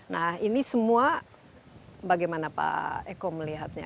nah ini semua bagaimana pak eko melihatnya